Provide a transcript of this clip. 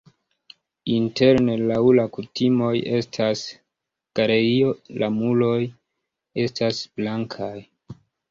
Interne laŭ la kutimoj estas galerio, la muroj estas blankaj.